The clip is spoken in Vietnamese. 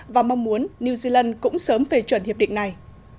và mong muốn new zealand cũng sớm phê chuẩn hiệp định này